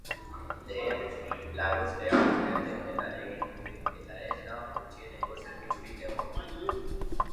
Lehen lanuztea astearte honetan egin dute, eta ez da gutxieneko zerbitzurik egon.